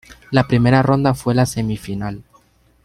La primera ronda fue la semifinal.